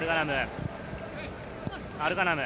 アルガナム。